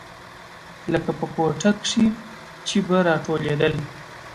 لکه په کوټه کښې چې به راټولېدل.